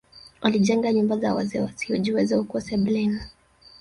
Alijenga nyumba za wazee wasiojiweza huko sebleni